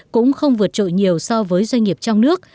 cũng không vượt trội nhiều so với doanh nghiệp trong nước